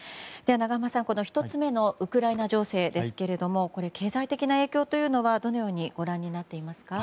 永濱さん、１つ目のウクライナ情勢ですけれども経済的な影響は、どのようにご覧になっていますか。